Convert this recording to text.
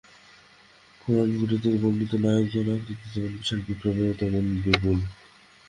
পুরাণগুলিতে বর্ণিত নায়কগণ আকৃতিতে যেমন বিশাল, বিক্রমেও তেমনি বিপুল।